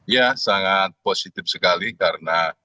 ya sangat positif sekali karena